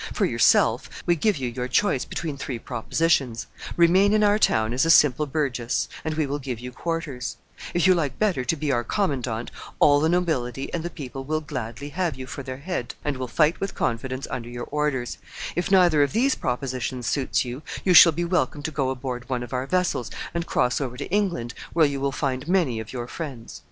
For yourself, we give you your choice between three propositions: remain in our town as a simple burgess, and we will give you quarters; if you like better to be our commandant, all the nobility and the people will gladly have you for their head, and will fight with confidence under your orders; if neither of these propositions suits you, you shall be welcome to go aboard one of our vessels and cross over to England, where you will find many of your friends."